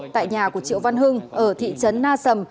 tại nhà của triệu văn hưng ở thị trấn na sầm